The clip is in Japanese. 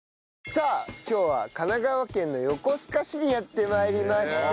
さあ今日は神奈川県の横須賀市にやって参りました。